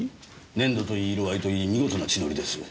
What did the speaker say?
粘度といい色合いといい見事な血糊ですよ。